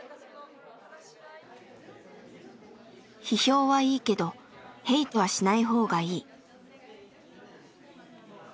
批評はいいけどヘイトはしない方がいい。